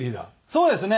そうですね。